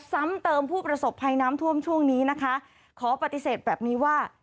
ซ้ำเติมผู้ประสบภัยน้ำท่วมช่วงนี้นะคะขอปฏิเสธแบบนี้ว่า